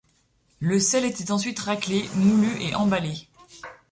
Le sel était ensuite raclé, moulu et emballé.